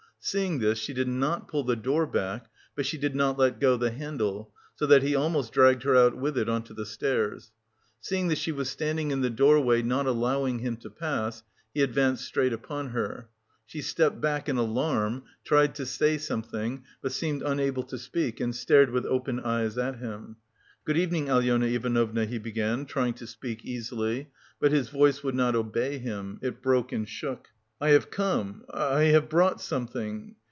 Seeing this she did not pull the door back, but she did not let go the handle so that he almost dragged her out with it on to the stairs. Seeing that she was standing in the doorway not allowing him to pass, he advanced straight upon her. She stepped back in alarm, tried to say something, but seemed unable to speak and stared with open eyes at him. "Good evening, Alyona Ivanovna," he began, trying to speak easily, but his voice would not obey him, it broke and shook. "I have come... I have brought something...